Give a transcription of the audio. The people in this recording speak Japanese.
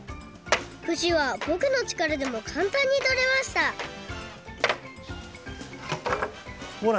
ふしはぼくのちからでもかんたんにとれましたほら